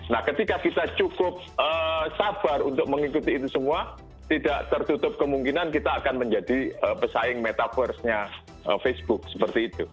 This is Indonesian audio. nah ketika kita cukup sabar untuk mengikuti itu semua tidak tertutup kemungkinan kita akan menjadi pesaing metaverse nya facebook seperti itu